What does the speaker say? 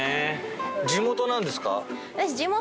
地元なんですか？